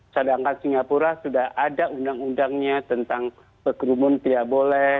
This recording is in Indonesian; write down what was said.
sedangkan singapura sudah ada undang undangnya tentang berkerumun tidak boleh